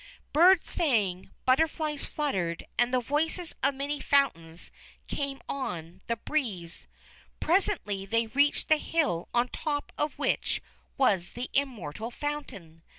Birds sang, butterflies fluttered, and the voices of many fountains came on the breeze. Presently they reached the hill on the top of which was the Immortal Fountain.